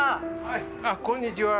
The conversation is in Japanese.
はいこんにちは。